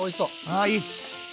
ああいい！